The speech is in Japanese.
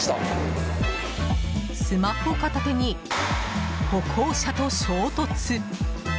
スマホ片手に歩行者と衝突。